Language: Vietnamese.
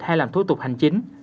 hay làm thủ tục hành chính